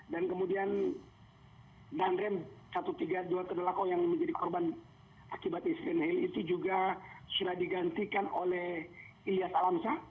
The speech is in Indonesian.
dan kemudian dan rem satu ratus tiga puluh dua tudolako yang menjadi korban akibat insiden helikopter itu juga sudah digantikan oleh ilyas alamsa